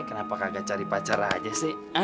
kenapa kagak cari pacar aja sih